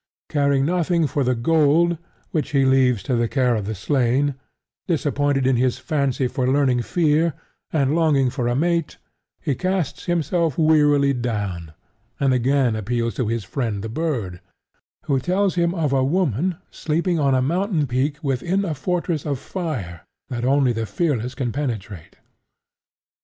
Caring nothing for the gold, which he leaves to the care of the slain; disappointed in his fancy for learning fear; and longing for a mate, he casts himself wearily down, and again appeals to his friend the bird, who tells him of a woman sleeping on a mountain peak within a fortress of fire that only the fearless can penetrate.